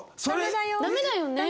ダメだよね？